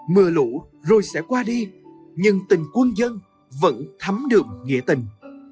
mưa lũ rồi sẽ qua đi nhưng tình quân dân vẫn thấm đường nghĩa tình